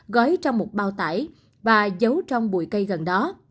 gói trong một bao tải và giấu trong bụi cây gần đó